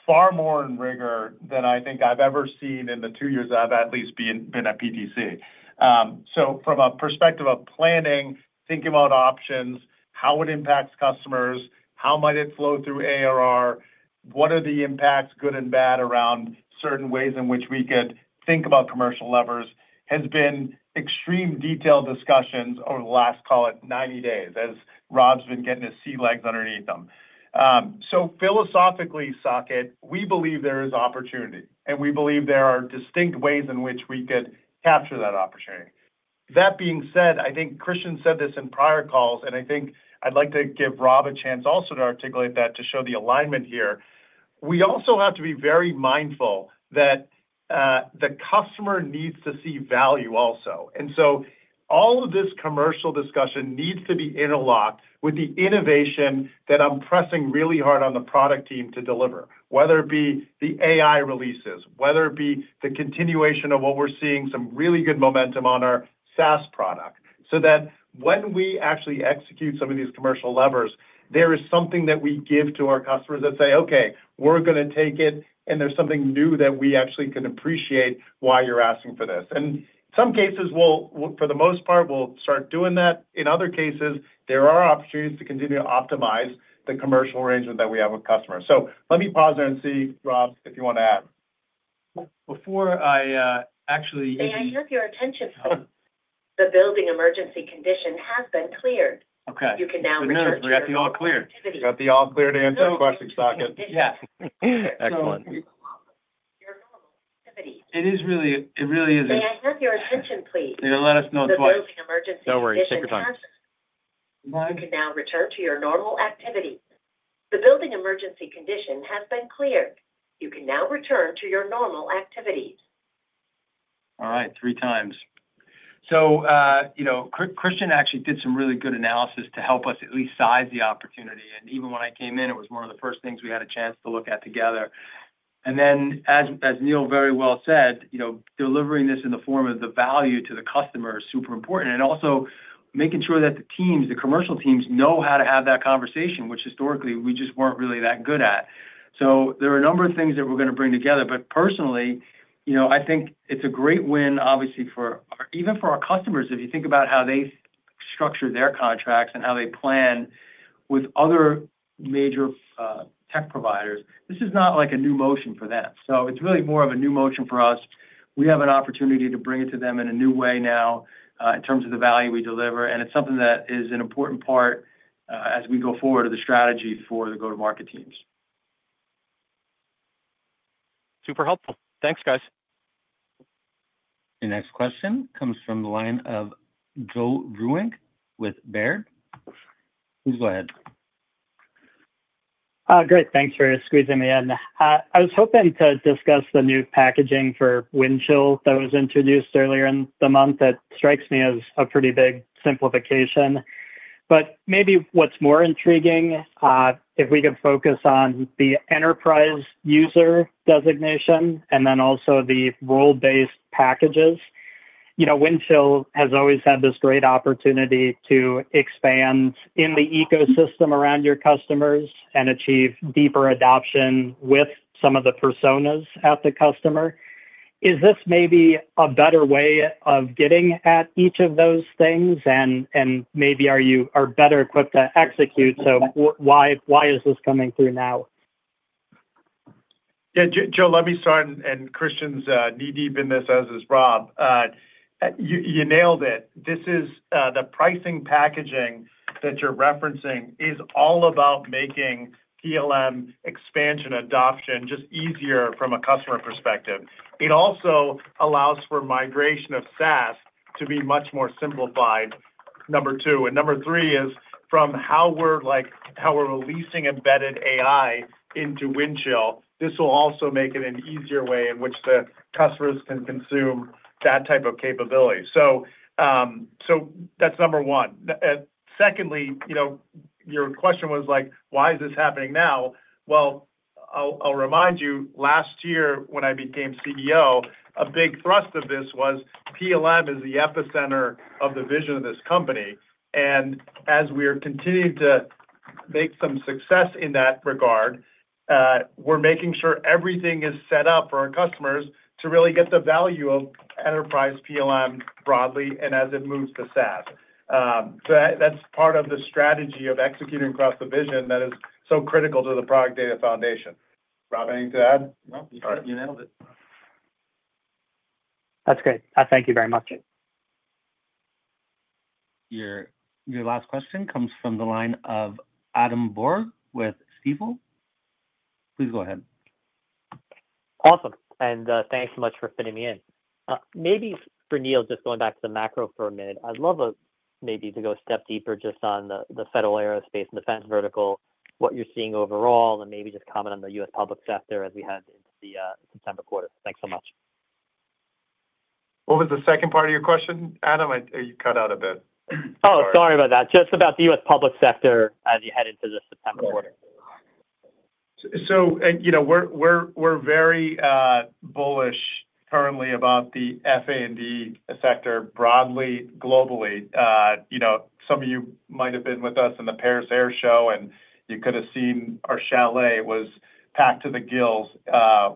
far more in rigor than I think I've ever seen in the two years I've at least been at PTC. From a perspective of planning, thinking about options, how it impacts customers, how it might flow through ARR, what are the impacts, good and bad, around certain ways in which we could think about commercial levers, there have been extremely detailed discussions over the last, call it, 90 days, as Rob's been getting his sea legs underneath him. Philosophically, Saket, we believe there is opportunity, and we believe there are distinct ways in which we could capture that opportunity. That being said, I think Kristian said this in prior calls, and I'd like to give Rob a chance also to articulate that to show the alignment here. We also have to be very mindful that the customer needs to see value also. All of this commercial discussion needs to be interlocked with the innovation that I'm pressing really hard on the product team to deliver, whether it be the AI releases, whether it be the continuation of what we're seeing, some really good momentum on our SaaS product, so that when we actually execute some of these commercial levers, there is something that we give to our customers that says, "Okay, we're going to take it, and there's something new that we actually can appreciate why you're asking for this." In some cases, for the most part, we'll start doing that. In other cases, there are opportunities to continue to optimize the commercial arrangement that we have with customers. Let me pause there and see, Rob, if you want to add. Before I actually. May I have your attention? The building emergency condition has been cleared. You can now return to your normal activity. Okay. I got the all clear. Got the all clear to answer the question, Saket. Yeah. Excellent. Your normal activity. It really is. May I have your attention, please? Let us know twice. The building emergency condition has been. No worries. Take your time. You can now return to your normal activity. The building emergency condition has been cleared. You can now return to your normal activity. All right. Kristian actually did some really good analysis to help us at least size the opportunity. Even when I came in, it was one of the first things we had a chance to look at together. As Neil very well said, delivering this in the form of the value to the customer is super important. Also, making sure that the teams, the commercial teams, know how to have that conversation, which historically, we just weren't really that good at. There are a number of things that we're going to bring together. Personally, I think it's a great win, obviously, even for our customers. If you think about how they structure their contracts and how they plan with other major tech providers, this is not like a new motion for them. It's really more of a new motion for us. We have an opportunity to bring it to them in a new way now in terms of the value we deliver. It's something that is an important part as we go forward of the strategy for the go-to-market teams. Super helpful. Thanks, guys. Your next question comes from the line of Joe Vruwink with Baird. Please go ahead. Great. Thanks for squeezing me in. I was hoping to discuss the new packaging for Windchill that was introduced earlier in the month. It strikes me as a pretty big simplification. If we could focus on the enterprise user designation and also the role-based packages, Windchill has always had this great opportunity to expand in the ecosystem around your customers and achieve deeper adoption with some of the personas at the customer. Is this maybe a better way of getting at each of those things? Are you better equipped to execute? Why is this coming through now? Yeah. Joe, let me start, and Kristian's knee-deep in this, as is Rob. You nailed it. The pricing and packaging that you're referencing is all about making PLM expansion adoption just easier from a customer perspective. It also allows for migration of SaaS to be much more simplified, number two. Number three is from how we're releasing embedded AI into Windchill, this will also make it an easier way in which the customers can consume that type of capability. That's number one. Secondly, your question was like, why is this happening now? I'll remind you, last year when I became CEO, a big thrust of this was PLM is the epicenter of the vision of this company. As we are continuing to make some success in that regard, we're making sure everything is set up for our customers to really get the value of enterprise PLM broadly and as it moves to SaaS. That's part of the strategy of executing across the vision that is so critical to the Product Data Foundation. Rob, anything to add? Nope, you nailed it. That's great. I thank you very much. Your last question comes from the line of Adam Borg with Stifel. Please go ahead. Awesome. Thanks so much for fitting me in. Maybe for Neil, just going back to the macro for a minute, I'd love maybe to go a step deeper just on the federal aerospace and defense vertical, what you're seeing overall, and maybe just comment on the U.S. public sector as we head into the September quarter. Thanks so much. What was the second part of your question, Adam? You cut out a bit. Sorry about that. Just about the U.S. public sector as you head into the September quarter. We're very bullish currently about the federal aerospace and defense sector broadly, globally. Some of you might have been with us in the Paris Air Show, and you could have seen our chalet was packed to the gills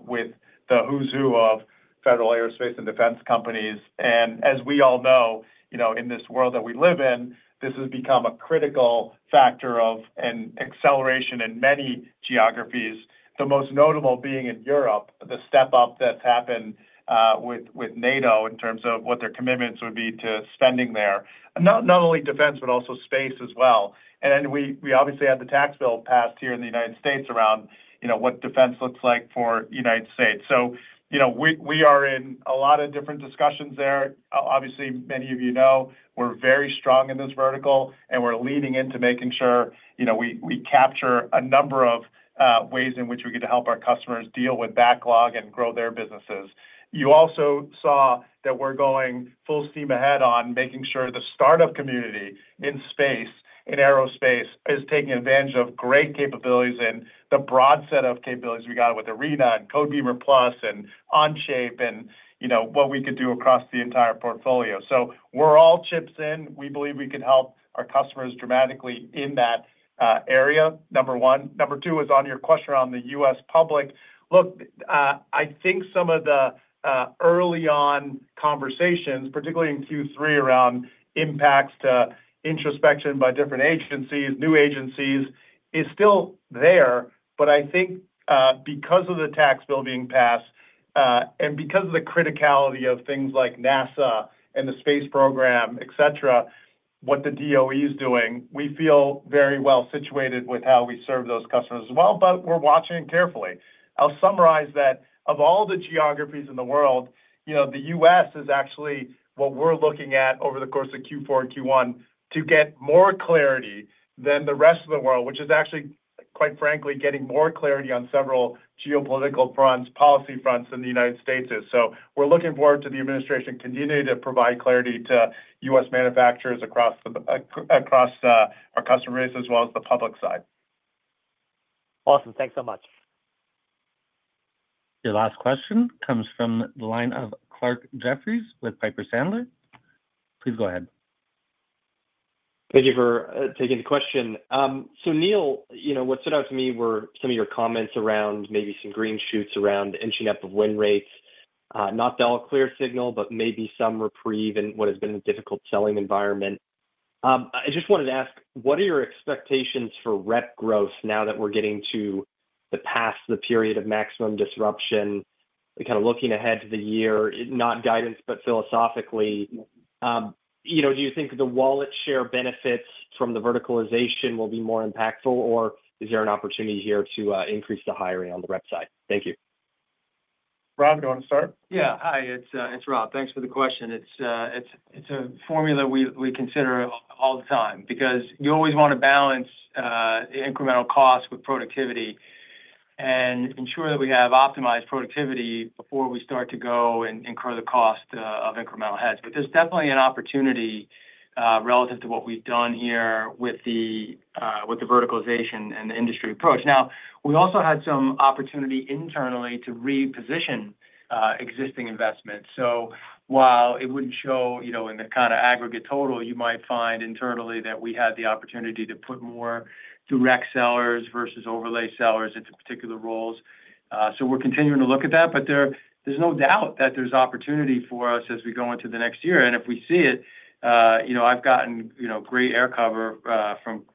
with the who's who of federal aerospace and defense companies. As we all know, in this world that we live in, this has become a critical factor of an acceleration in many geographies, the most notable being in Europe, the step-up that's happened with NATO in terms of what their commitments would be to spending there, not only defense, but also space as well. We obviously had the tax bill passed here in the United States around what defense looks like for the United States. We are in a lot of different discussions there. Many of you know, we're very strong in this vertical, and we're leaning into making sure we capture a number of ways in which we get to help our customers deal with backlog and grow their businesses. You also saw that we're going full steam ahead on making sure the startup community in space, in aerospace, is taking advantage of great capabilities and the broad set of capabilities we got with Arena, Codebeamer, Plus, and Onshape and what we could do across the entire portfolio. We're all chips in. We believe we could help our customers dramatically in that area, number one. Number two is on your question around the U.S. public. I think some of the early-on conversations, particularly in Q3 around impacts to introspection by different agencies, new agencies, is still there. I think because of the tax bill being passed and because of the criticality of things like NASA and the space program, etc., what the DOE is doing, we feel very well situated with how we serve those customers as well. We're watching carefully. I'll summarize that. Of all the geographies in the world, the U.S. is actually what we're looking at over the course of Q4 and Q1 to get more clarity than the rest of the world, which is actually, quite frankly, getting more clarity on several geopolitical fronts, policy fronts than the United States is. We're looking forward to the administration continuing to provide clarity to U.S. manufacturers across our customer base as well as the public side. Awesome. Thanks so much. Your last question comes from the line of Clarke Jeffries with Piper Sandler. Please go ahead. Thank you for taking the question. Neil, what stood out to me were some of your comments around maybe some green shoots around inching up of win rates, not the all-clear signal, but maybe some reprieve in what has been a difficult selling environment. I just wanted to ask, what are your expectations for rep growth now that we're getting to the past, the period of maximum disruption, kind of looking ahead to the year, not guidance, but philosophically? Do you think the wallet share benefits from the verticalization will be more impactful, or is there an opportunity here to increase the hiring on the rep side? Thank you. Rob, do you want to start? Yeah. Hi. It's Rob. Thanks for the question. It's a formula we consider all the time because you always want to balance incremental costs with productivity and ensure that we have optimized productivity before we start to go and incur the cost of incremental heads. There's definitely an opportunity relative to what we've done here with the verticalization and the industry approach. We also had some opportunity internally to reposition existing investments. While it wouldn't show in the kind of aggregate total, you might find internally that we had the opportunity to put more direct sellers vs overlay sellers into particular roles. We're continuing to look at that, but there's no doubt that there's opportunity for us as we go into the next year. If we see it, I've gotten great air cover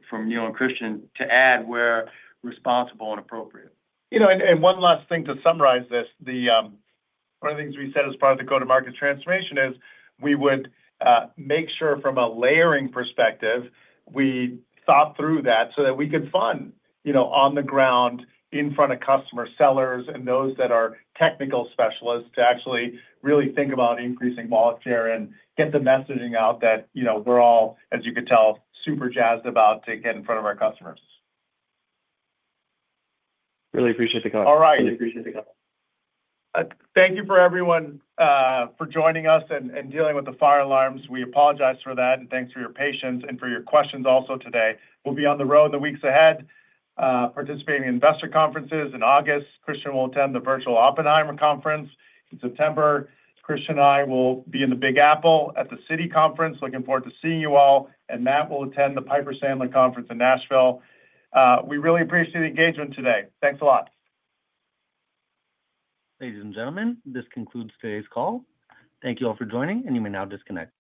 from Neil and Kristian to add where responsible and appropriate. One last thing to summarize this. One of the things we said as part of the go-to-market transformation is we would make sure from a layering perspective, we thought through that so that we could fund on the ground in front of customer sellers and those that are technical specialists to actually really think about increasing wallet share and get the messaging out that we're all, as you could tell, super jazzed about to get in front of our customers. Really appreciate the call. All right. Really appreciate the call. Thank you everyone for joining us and dealing with the fire alarms. We apologize for that. Thanks for your patience and for your questions also today. We'll be on the road in the weeks ahead, participating in investor conferences in August. Kristian will attend the virtual Oppenheimer conference in September. Kristian and I will be in the Big Apple at the Citi Conference. Looking forward to seeing you all. Matt will attend the Piper Sandler Conference in Nashville. We really appreciate the engagement today. Thanks a lot. Ladies and gentlemen, this concludes today's call. Thank you all for joining, and you may now disconnect.